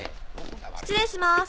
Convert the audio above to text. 失礼します。